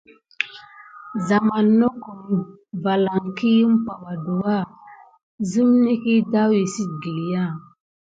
Waman nokum lan ki ump ɗuà sim sime ɗaou wisi gəlya.